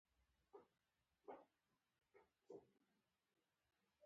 یعقوب بن اللیث د سیستان خپلواک حکمران شو.